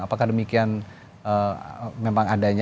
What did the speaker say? apakah demikian saja mencekorkannya faktanya